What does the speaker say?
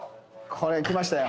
これ来ましたよ。